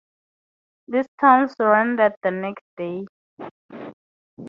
This town surrendered the next day.